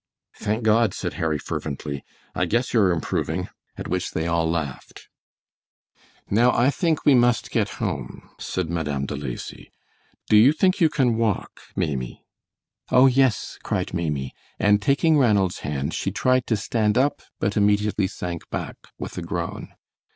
"Thank God!" said Harry fervently; "I guess you're improving," at which they all laughed. "Now I think we must get home," said Madame De Lacy. "Do you think you can walk, Maimie?" "Oh, yes," cried Maimie, and taking Ranald's hand, she tried to stand up, but immediately sank back with a groan.